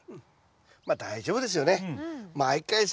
大丈夫ですよね。